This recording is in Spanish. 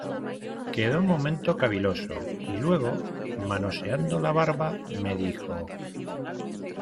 quedó un momento caviloso, y luego , manoseando la barba , me dijo: